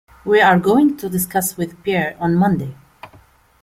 We are going to discuss with Pierre on Monday.